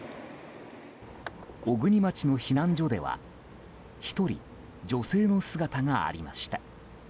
小国町の避難所では１人、女性の姿がありました。